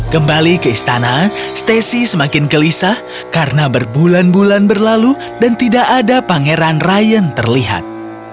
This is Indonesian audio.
kembali ke istana stacy semakin gelisah karena berbulan bulan berlalu dan tidak ada pangeran ryan terlihat